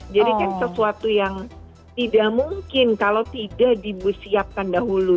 jadi kan sesuatu yang tidak mungkin kalau tidak disiapkan dahulu